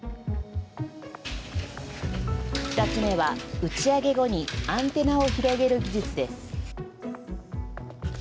２つ目は、打ち上げ後にアンテナを広げる技術です。